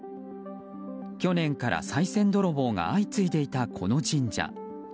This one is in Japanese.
去年から、さい銭泥棒が相次いでいたこの神社。